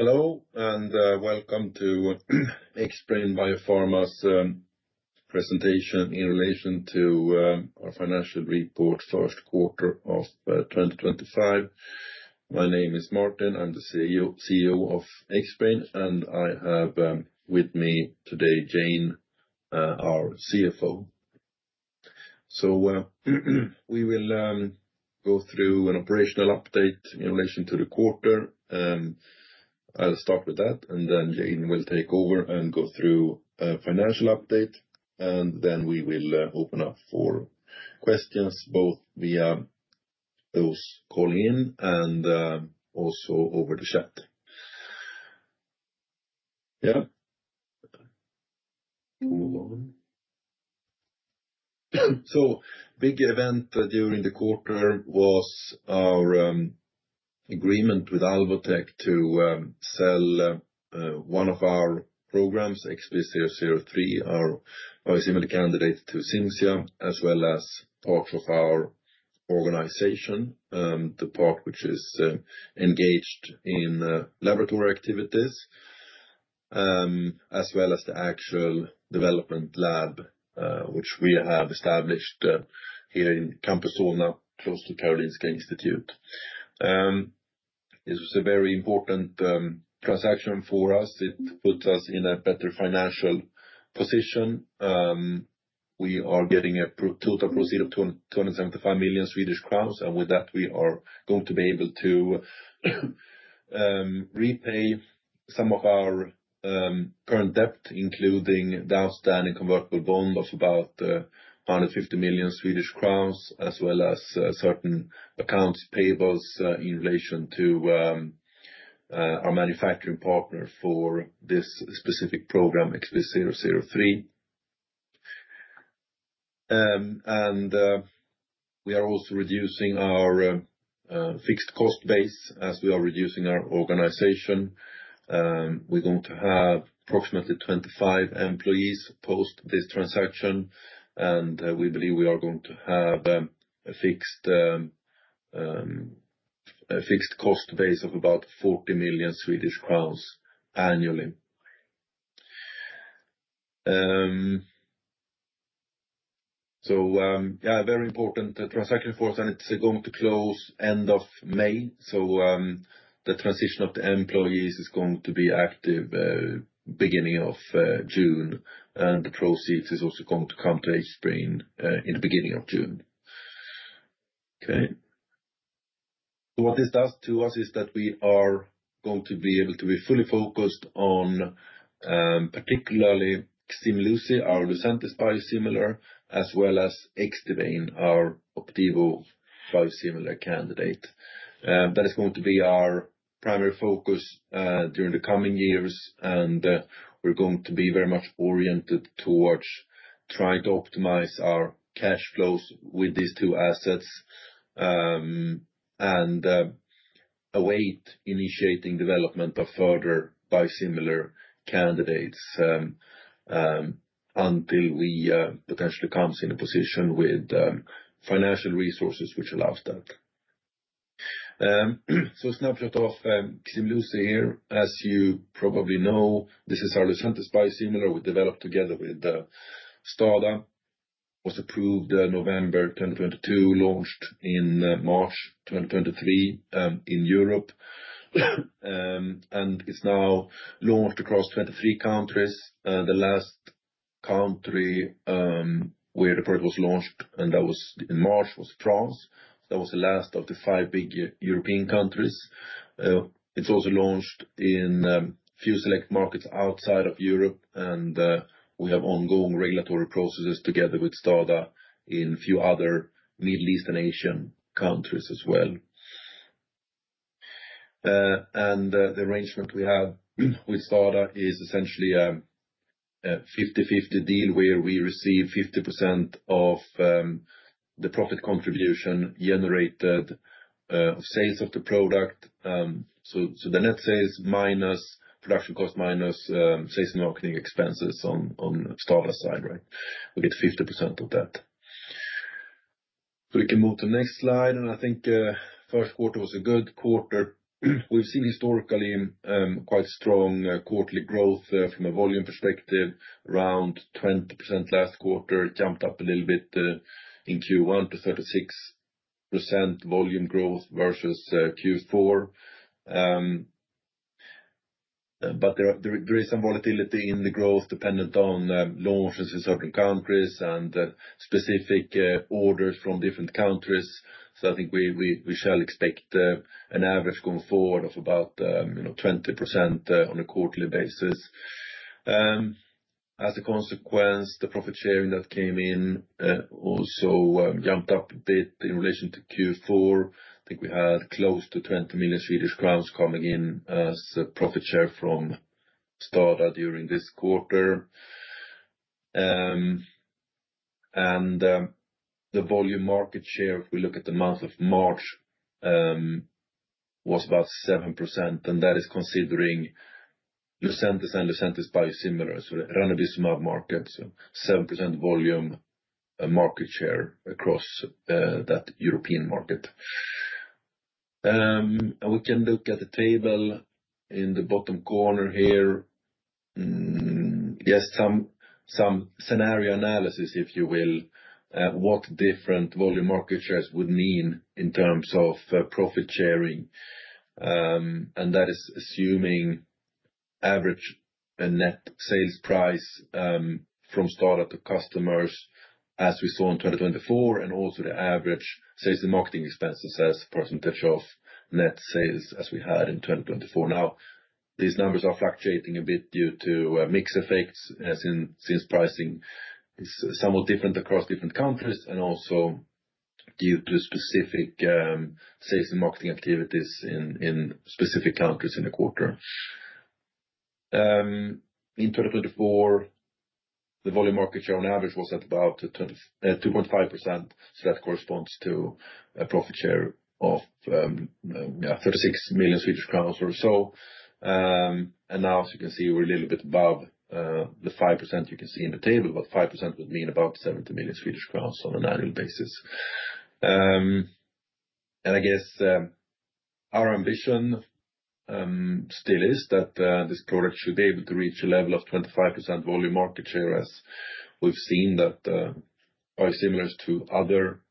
Hello, and welcome to Xbrane Biopharma's presentation in relation to our Financial Report, First Quarter of 2025. My name is Martin. I'm the CEO of Xbrane, and I have with me today Jane, our CFO. So we will go through an operational update in relation to the quarter. I'll start with that, and then Jane will take over and go through a financial update, and then we will open up for questions, both via those calling in and also over the chat. Yeah, we'll move on. The big event during the quarter was our agreement with Alvotech to sell one of our programs, XB003, our biosimilar candidate to Cimzia, as well as parts of our organization, the part which is engaged in laboratory activities, as well as the actual development lab, which we have established here in Campus Solna, close to Karolinska Institute. This was a very important transaction for us. It puts us in a better financial position. We are getting a total proceed of 275 million Swedish crowns, and with that, we are going to be able to repay some of our current debt, including the outstanding convertible bond of about 150 million Swedish crowns, as well as certain accounts payables in relation to our manufacturing partner for this specific program, XB003. We are also reducing our fixed cost base as we are reducing our organization. We are going to have approximately 25 employees post this transaction, and we believe we are going to have a fixed cost base of about 40 million Swedish crowns annually. A very important transaction for us, and it is going to close end of May. The transition of the employees is going to be active beginning of June, and the proceeds are also going to come to Xbrane in the beginning of June. Okay. What this does to us is that we are going to be able to be fully focused on particularly Ximluci, our Lucentis biosimilar, as well as Xdivane, our Opdivo biosimilar candidate. That is going to be our primary focus during the coming years, and we're going to be very much oriented towards trying to optimize our cash flows with these two assets and await initiating development of further biosimilar candidates until we potentially come in a position with financial resources which allows that. A snapshot of Ximluci here. As you probably know, this is our Lucentis biosimilar. We developed together with STADA, was approved November 2022, launched in March 2023 in Europe, and it's now launched across 23 countries. The last country where the product was launched, and that was in March, was France. That was the last of the five big European countries. It's also launched in a few select markets outside of Europe, and we have ongoing regulatory processes together with STADA in a few other Middle Eastern Asian countries as well. The arrangement we have with STADA is essentially a 50-50 deal where we receive 50% of the profit contribution generated of sales of the product. The net sales minus production cost minus sales and marketing expenses on STADA's side, right? We get 50% of that. We can move to the next slide, and I think first quarter was a good quarter. We've seen historically quite strong quarterly growth from a volume perspective, around 20% last quarter, jumped up a little bit in Q1 to 36% volume growth versus Q4. There is some volatility in the growth dependent on launches in certain countries and specific orders from different countries. I think we shall expect an average going forward of about 20% on a quarterly basis. As a consequence, the profit sharing that came in also jumped up a bit in relation to Q4. I think we had close to 20 million Swedish crowns coming in as profit share from STADA during this quarter. The volume market share, if we look at the month of March, was about 7%, and that is considering Lucentis and Lucentis biosimilars, so the randomized market, 7% volume market share across that European market. We can look at the table in the bottom corner here. Yes, some scenario analysis, if you will, what different volume market shares would mean in terms of profit sharing. That is assuming average net sales price from STADA to customers as we saw in 2024, and also the average sales and marketing expenses as a percentage of net sales as we had in 2024. Now, these numbers are fluctuating a bit due to mix effects since pricing is somewhat different across different countries and also due to specific sales and marketing activities in specific countries in the quarter. In 2024, the volume market share on average was at about 2.5%, so that corresponds to a profit share of 36 million Swedish crowns or so. As you can see, we are a little bit above the 5% you can see in the table, but 5% would mean about 70 million Swedish crowns on an annual basis. I guess our ambition still is that this product should be able to reach a level of 25% volume market share as we've seen that biosimilars to other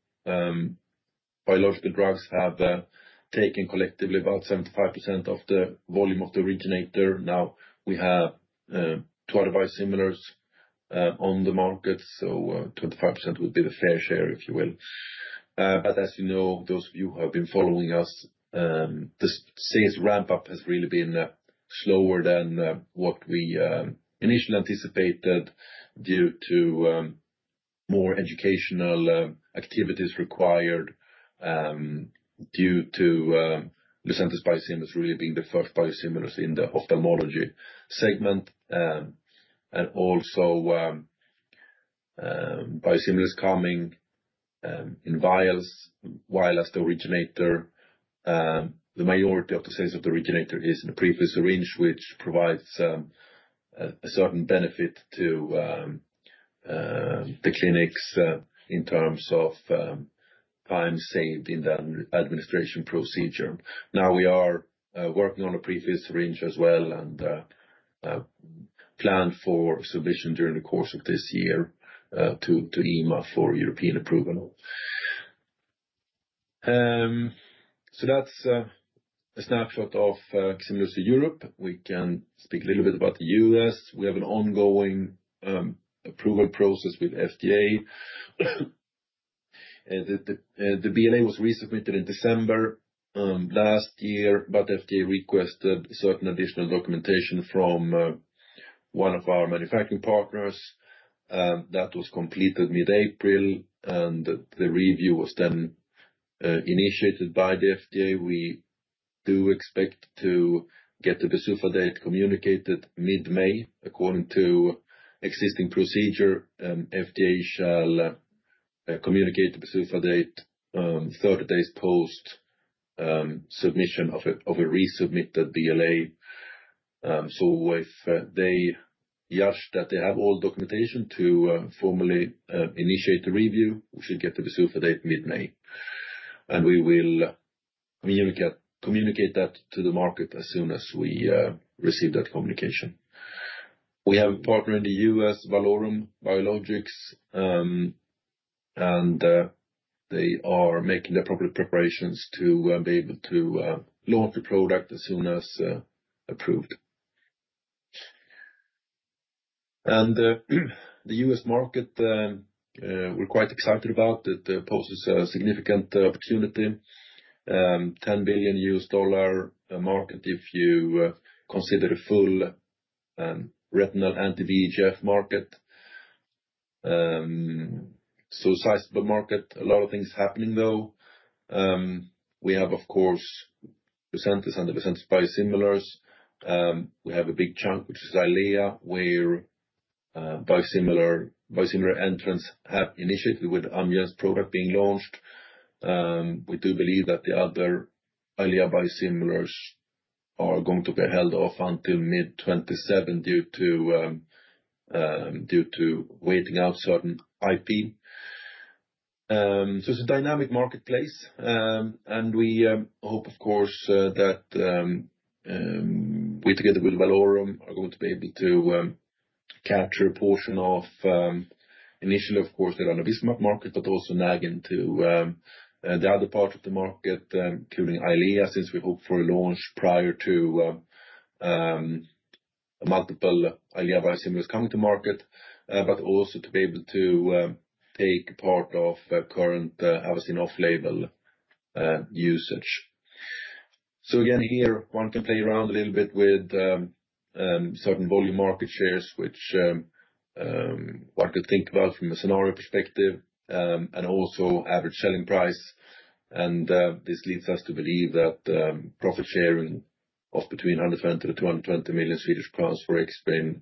biological drugs have taken collectively about 75% of the volume of the originator. We have two other biosimilars on the market, so 25% would be the fair share, if you will. As you know, those of you who have been following us, the sales ramp-up has really been slower than what we initially anticipated due to more educational activities required due to Lucentis biosimilars really being the first biosimilars in the ophthalmology segment. Also, biosimilars coming in vials while as the originator, the majority of the sales of the originator is in the prefilled syringe, which provides a certain benefit to the clinics in terms of time saved in the administration procedure. Now, we are working on a preface arranged as well and plan for submission during the course of this year to EMA for European approval. That is a snapshot of similarly Europe. We can speak a little bit about the U.S.. We have an ongoing approval process with FDA. The BLA was resubmitted in December last year, but FDA requested certain additional documentation from one of our manufacturing partners. That was completed mid-April, and the review was then initiated by the FDA. We do expect to get the PDUFA date communicated mid-May. According to existing procedure, FDA shall communicate the PDUFA date 30 days post submission of a resubmitted BLA. If they judge that they have all documentation to formally initiate the review, we should get the PDUFA date mid-May. We will communicate that to the market as soon as we receive that communication. We have a partner in the U.S., Valorum Biologics, and they are making the appropriate preparations to be able to launch the product as soon as approved. The U.S. market, we're quite excited about it. It poses a significant opportunity: $10 billion U.S. dollar market if you consider a full retinal anti-VEGF market. Sizeable market, a lot of things happening though. We have, of course, Lucentis and the Lucentis biosimilars. We have a big chunk, which is Eylea, where biosimilar entrants have initiated with Amgen's product being launched. We do believe that the other Eylea biosimilars are going to be held off until mid-2027 due to waiting out certain IP. It is a dynamic marketplace, and we hope, of course, that we together with Valorum are going to be able to capture a portion of initially, of course, the randomized market, but also nag into the other part of the market, including Eylea, since we hope for a launch prior to multiple Eylea biosimilars coming to market, but also to be able to take part of current Avastin off-label usage. Again, here one can play around a little bit with certain volume market shares, which one can think about from a scenario perspective, and also average selling price. This leads us to believe that profit sharing of between SEK 120 million-SEK 220 million for Xbrane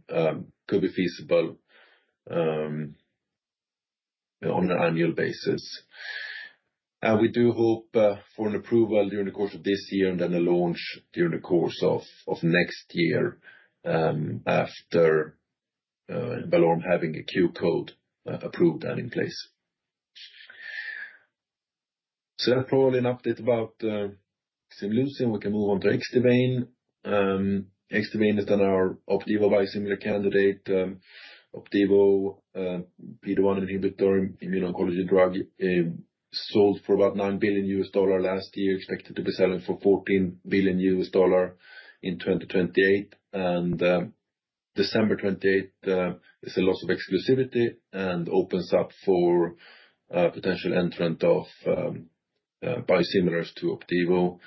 could be feasible on an annual basis. We do hope for an approval during the course of this year and then a launch during the course of next year after Valorum having a Q code approved and in place. That is probably an update about Ximluci. We can move on to Xdivane. Xdivane is then our Opdivo biosimilar candidate. Opdivo will be the one inhibitory immuno-oncology drug sold for about $9 billion last year, expected to be selling for $14 billion in 2028. December 2028 is a loss of exclusivity and opens up for potential entrant of biosimilars to Opdivo.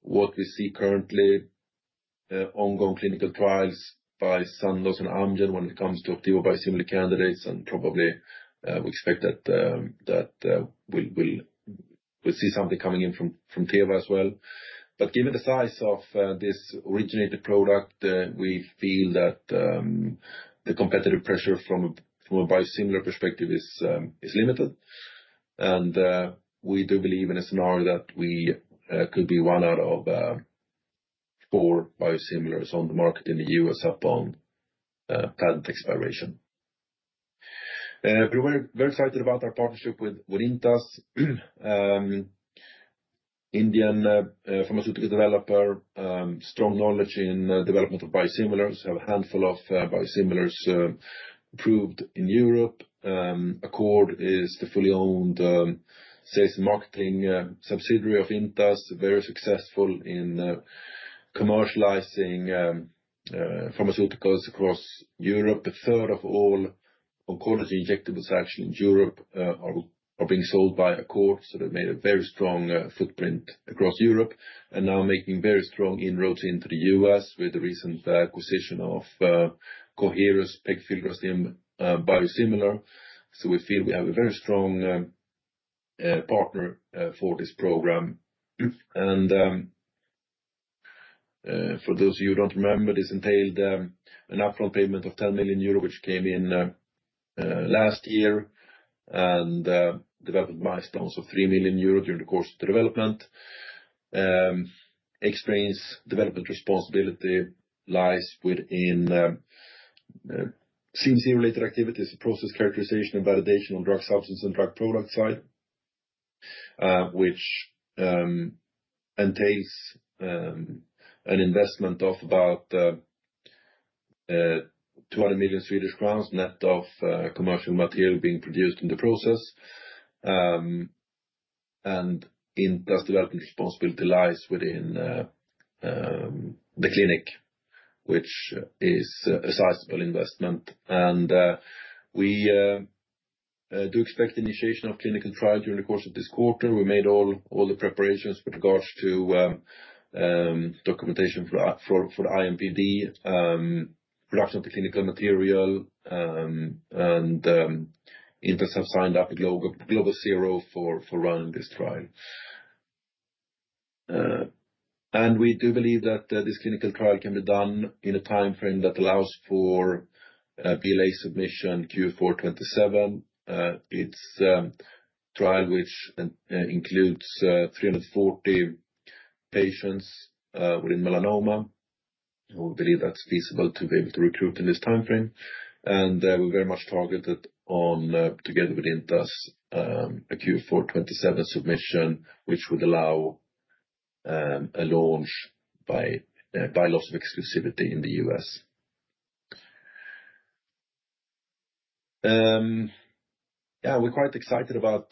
What we see currently, ongoing clinical trials by Sandoz and Amgen when it comes to Opdivo biosimilar candidates, and probably we expect that we'll see something coming in from Teva as well. Given the size of this originated product, we feel that the competitive pressure from a biosimilar perspective is limited. We do believe in a scenario that we could be one out of four biosimilars on the market in the U.S. upon patent expiration. We are very excited about our partnership with Intas, an Indian pharmaceutical developer with strong knowledge in development of biosimilars. They have a handful of biosimilars approved in Europe. Accord is the fully owned sales and marketing subsidiary of Intas, very successful in commercializing pharmaceuticals across Europe. A third of all oncology injectables in Europe are being sold by Accord, so they have made a very strong footprint across Europe and are now making very strong inroads into the U.S. with the recent acquisition of Coherus pegfilgrastim biosimilar. We feel we have a very strong partner for this program. For those of you who don't remember, this entailed an upfront payment of 10 million euro, which came in last year, and development milestones of 3 million euros during the course of the development. Xbrane's development responsibility lies within CMC-related activities, process characterization, and validation on drug substance and drug product side, which entails an investment of about 200 million Swedish crowns net of commercial material being produced in the process. Intas' development responsibility lies within the clinic, which is a sizable investment. We do expect initiation of clinical trial during the course of this quarter. We made all the preparations with regards to documentation for the IMPD, production of the clinical material, and Intas have signed up with Global Zero for running this trial. We do believe that this clinical trial can be done in a timeframe that allows for BLA submission Q4 2027. It's a trial which includes 340 patients within melanoma. We believe that's feasible to be able to recruit in this timeframe. We are very much targeted on, together with Intas, a Q4 2027 submission, which would allow a launch by loss of exclusivity in the U.S.. Yeah, we're quite excited about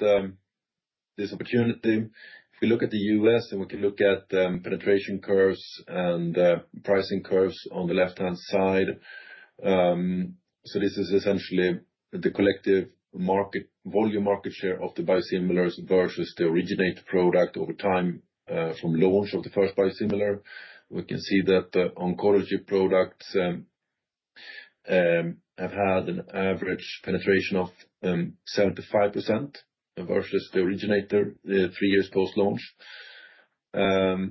this opportunity. If we look at the U.S., then we can look at penetration curves and pricing curves on the left-hand side. This is essentially the collective volume market share of the biosimilars versus the originator product over time from launch of the first biosimilar. We can see that the oncology products have had an average penetration of 75% versus the originator three years post-launch. It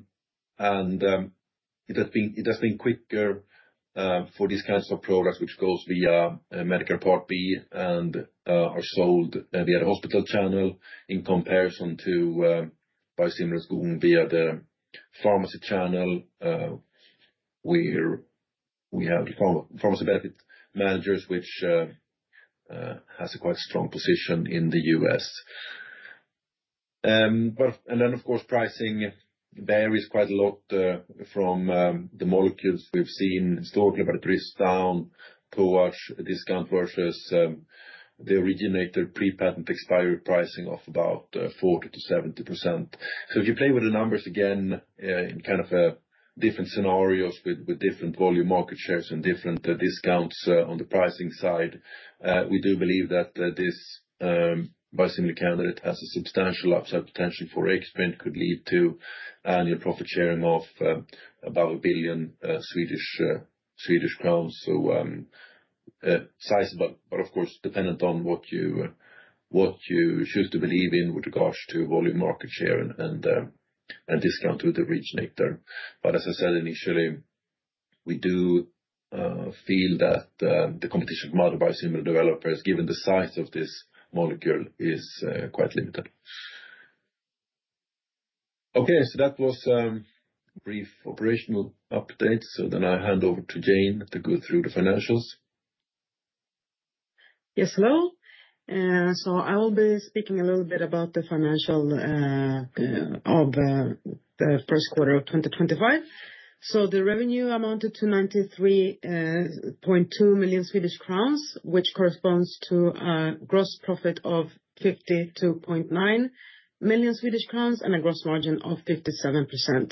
has been quicker for these kinds of products, which goes via Medicare Part B and are sold via the hospital channel in comparison to biosimilars going via the pharmacy channel, where we have pharmacy benefit managers, which has a quite strong position in the U.S. Of course, pricing varies quite a lot from the molecules we've seen historically, but it drifts down towards discount versus the originator pre-patent expiry pricing of about 40-70%. If you play with the numbers again in kind of different scenarios with different volume market shares and different discounts on the pricing side, we do believe that this biosimilar candidate has a substantial upside potential for Xbrane, could lead to annual profit sharing of about 1 billion Swedish crowns. Sizable, but of course, dependent on what you choose to believe in with regards to volume market share and discount to the originator. As I said initially, we do feel that the competition from other biosimilar developers, given the size of this molecule, is quite limited. Okay, that was a brief operational update. I hand over to Jane to go through the financials. Yes, hello. I will be speaking a little bit about the financials of the first quarter of 2025. The revenue amounted to 93.2 million Swedish crowns, which corresponds to a gross profit of 52.9 million Swedish crowns and a gross margin of 57%.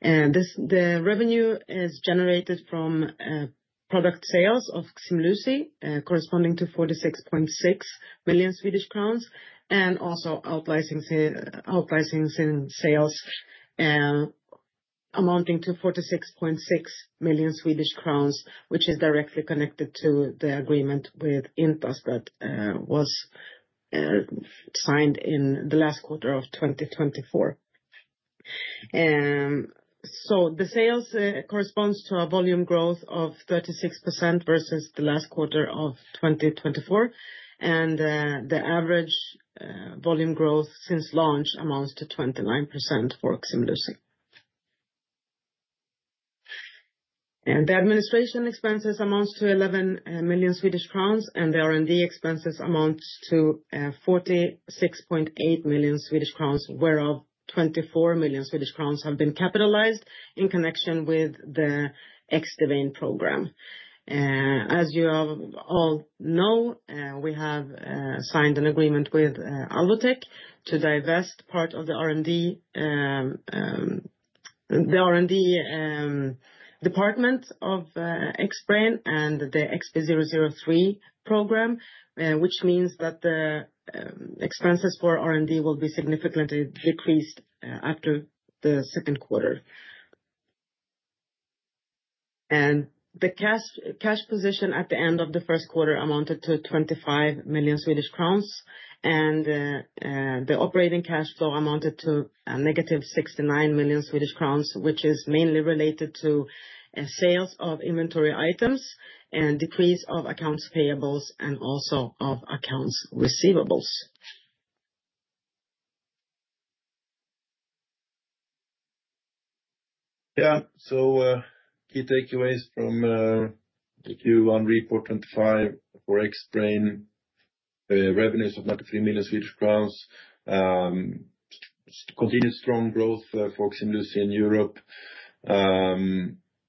The revenue is generated from product sales of Ximluci, corresponding to 46.6 million Swedish crowns, and also outliers in sales amounting to 46.6 million Swedish crowns, which is directly connected to the agreement with Intas that was signed in the last quarter of 2024. The sales correspond to a volume growth of 36% versus the last quarter of 2024. The average volume growth since launch amounts to 29% for Ximluci. The administration expenses amount to 11 million Swedish crowns, and the R&D expenses amount to 46.8 million Swedish crowns, whereof 24 million Swedish crowns have been capitalized in connection with the Xdivane program. As you all know, we have signed an agreement with Alvotech to divest part of the R&D department of Xbrane and the XB003 program, which means that the expenses for R&D will be significantly decreased after the second quarter. The cash position at the end of the first quarter amounted to 25 million Swedish crowns, and the operating cash flow amounted to negative 69 million Swedish crowns, which is mainly related to sales of inventory items and decrease of accounts payables and also of accounts receivables. Yeah, key takeaways from Q1 report 2025 for Xbrane, revenues of 93 million Swedish crowns, continued strong growth for Ximluci in Europe,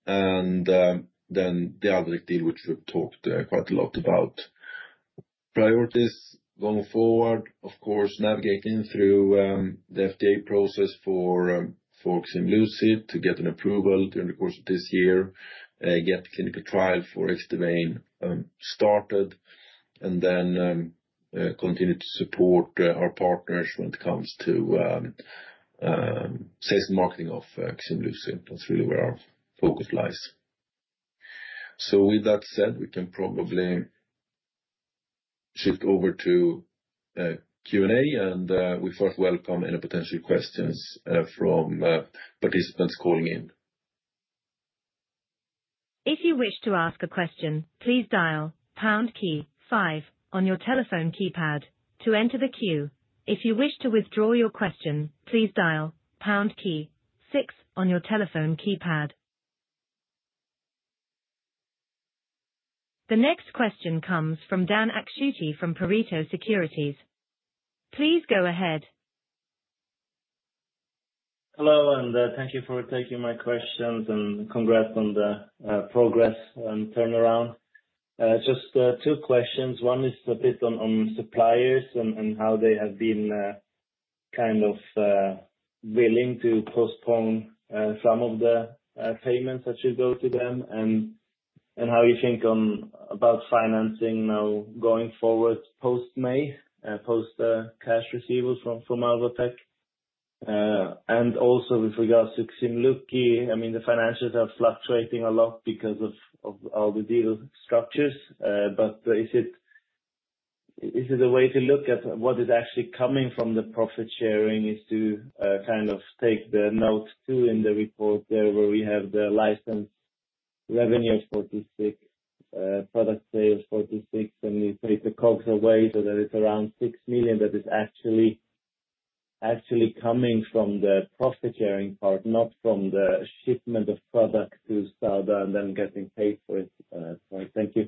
and then the Alvotech deal, which we've talked quite a lot about. Priorities going forward, of course, navigating through the FDA process for Ximluci to get an approval during the course of this year, get clinical trial for Xdivane started, and then continue to support our partners when it comes to sales and marketing of Ximluci. That's really where our focus lies. With that said, we can probably shift over to Q&A, and we first welcome any potential questions from participants calling in. If you wish to ask a question, please dial pound key five on your telephone keypad to enter the queue. If you wish to withdraw your question, please dial pound key six on your telephone keypad. The next question comes from Dan Akschuti from Pareto Securities. Please go ahead. Hello, and thank you for taking my questions and congrats on the progress and turnaround. Just two questions. One is a bit on suppliers and how they have been kind of willing to postpone some of the payments that should go to them, and how you think about financing now going forward post-May, post-cash receivables from Alvotech. And also with regards to Ximluci, I mean, the financials are fluctuating a lot because of all the deal structures. Is it a way to look at what is actually coming from the profit sharing to kind of take the note two in the report there where we have the license revenue of 46 million, product sales 46 million, and we take the COGS away so that it is around 6 million that is actually coming from the profit sharing part, not from the shipment of product to STADA and then getting paid for it. Thank you.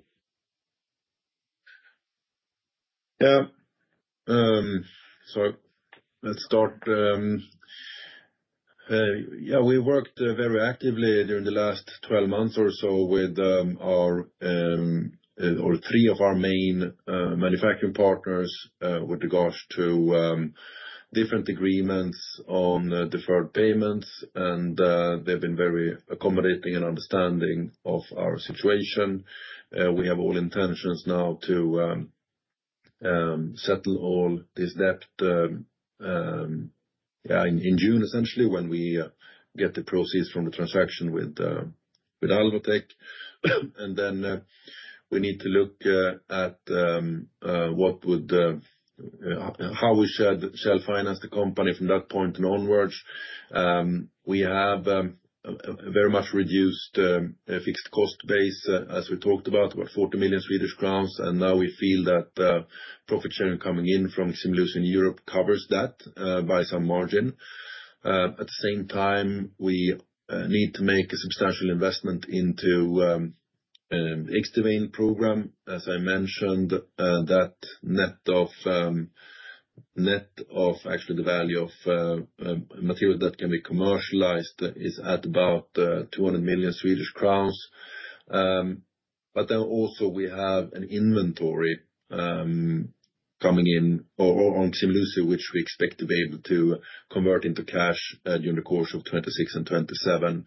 Yeah. Let's start. Yeah, we worked very actively during the last 12 months or so with our three main manufacturing partners with regards to different agreements on deferred payments, and they have been very accommodating and understanding of our situation. We have all intentions now to settle all this debt in June, essentially, when we get the proceeds from the transaction with Alvotech. We need to look at what would, how we shall finance the company from that point onwards. We have very much reduced fixed cost base, as we talked about, about 40 million Swedish crowns, and now we feel that profit sharing coming in from Ximluci in Europe covers that by some margin. At the same time, we need to make a substantial investment into Xdivane program. As I mentioned, that net of actually the value of material that can be commercialized is at about 200 million Swedish crowns. We also have an inventory coming in on Ximluci, which we expect to be able to convert into cash during the course of 2026 and 2027.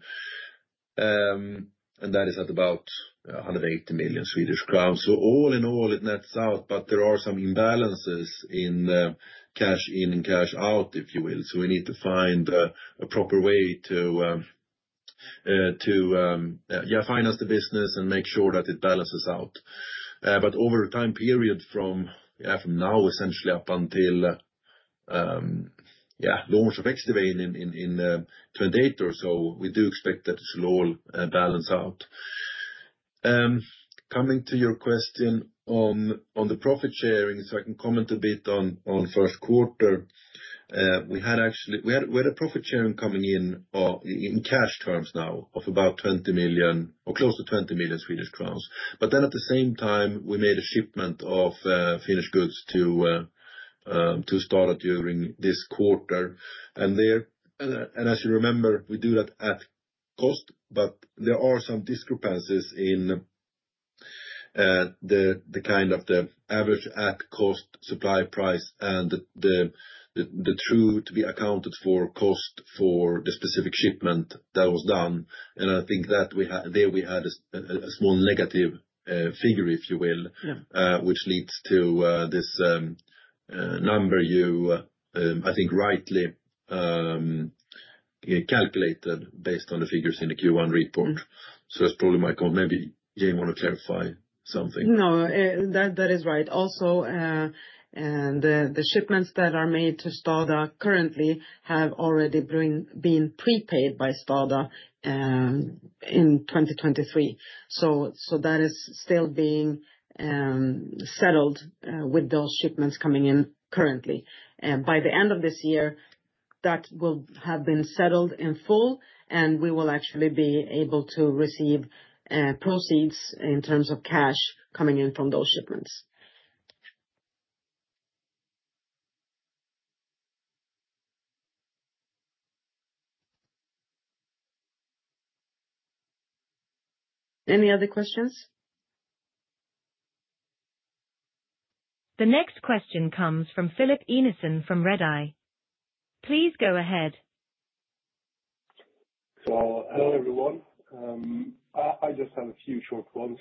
That is at about 180 million Swedish crowns. All in all, it nets out, but there are some imbalances in cash in and cash out, if you will. We need to find a proper way to, yeah, finance the business and make sure that it balances out. Over a time period from now, essentially up until, yeah, launch of Xdivane in 2028 or so, we do expect that it should all balance out. Coming to your question on the profit sharing, I can comment a bit on first quarter. We had a profit sharing coming in in cash terms now of about 20 million or close to 20 million Swedish crowns. At the same time, we made a shipment of finished goods to STADA during this quarter. As you remember, we do that at cost, but there are some discrepancies in the kind of the average at cost supply price and the true to be accounted for cost for the specific shipment that was done. I think that there we had a small negative figure, if you will, which leads to this number you, I think, rightly calculated based on the figures in the Q1 report. That is probably my comment. Maybe Jane wants to clarify something. No, that is right. Also, the shipments that are made to STADA currently have already been prepaid by STADA in 2023. That is still being settled with those shipments coming in currently. By the end of this year, that will have been settled in full, and we will actually be able to receive proceeds in terms of cash coming in from those shipments. Any other questions? The next question comes from Filip Einarsson from Redeye. Please go ahead. Hello, everyone. I just have a few short ones.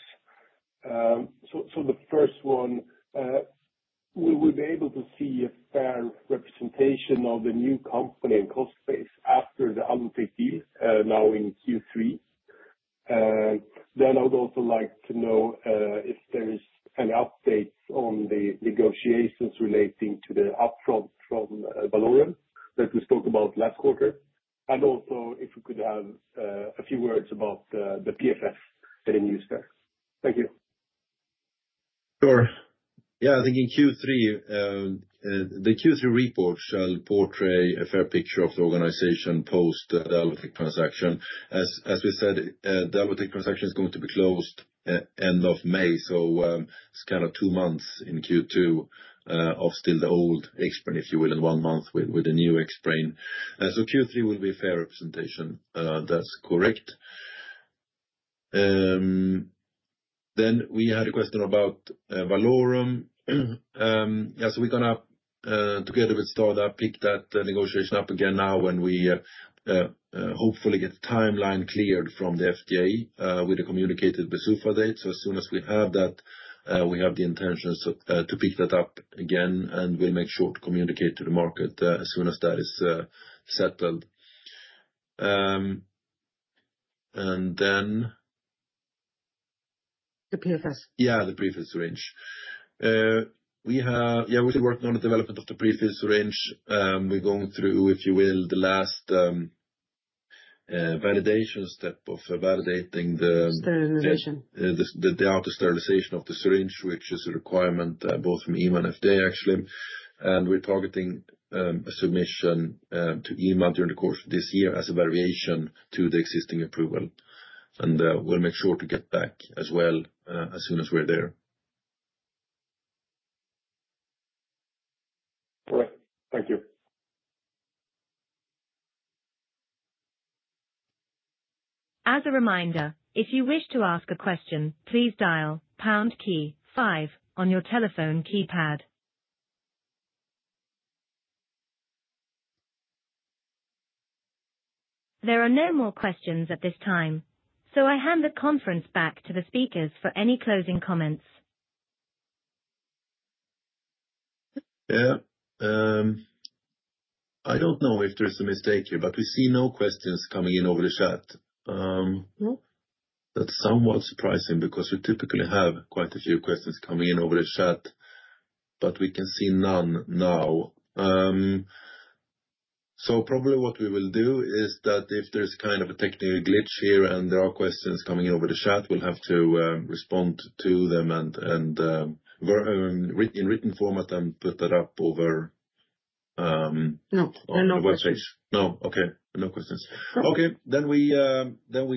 The first one, will we be able to see a fair representation of the new company and cost base after the Alvotech deal now in Q3? I would also like to know if there is an update on the negotiations relating to the upfront from Valorum that we spoke about last quarter, and also if we could have a few words about the PFS that are used there. Thank you. Sure. Yeah, I think in Q3, the Q3 report shall portray a fair picture of the organization post the Alvotech transaction. As we said, the Alvotech transaction is going to be closed end of May, so it is kind of two months in Q2 of still the old Xbrane, if you will, and one month with the new Xbrane. Q3 will be a fair representation. That is correct. We had a question about Valorum. Yeah, we are going to, together with STADA, pick that negotiation up again now when we hopefully get the timeline cleared from the FDA, with the communicated PDUFA date. As soon as we have that, we have the intentions to pick that up again, and we'll make sure to communicate to the market as soon as that is settled. The PFS, yeah, the prefilled syringe. We are working on the development of the prefilled syringe. We are going through, if you will, the last validation step of validating the sterilization, the auto-sterilization of the syringe, which is a requirement both from EMA and FDA, actually. We are targeting a submission to EMA during the course of this year as a variation to the existing approval. We will make sure to get back as well as soon as we are there. All right. Thank you. As a reminder, if you wish to ask a question, please dial pound key five on your telephone keypad. There are no more questions at this time, so I hand the conference back to the speakers for any closing comments. Yeah. I do not know if there is a mistake here, but we see no questions coming in over the chat. That is somewhat surprising because we typically have quite a few questions coming in over the chat, but we can see none now. Probably what we will do is that if there is kind of a technical glitch here and there are questions coming in over the chat, we will have to respond to them in written format and put that up over. No. No questions. No webpage. No. Okay. No questions. Okay. Then we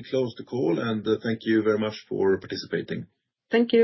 close the call, and thank you very much for participating. Thank you.